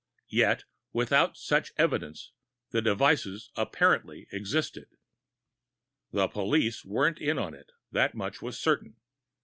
Yet, without such evidence, the devices apparently existed. The police weren't in on it, that much was certain.